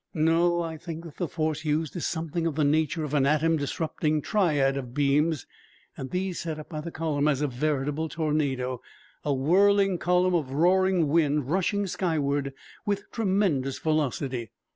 No, I think that the force used is something of the nature of an atom disrupting triad of beams and that these set up the column as a veritable tornado, a whirling column of roaring wind rushing skyward with tremendous velocity.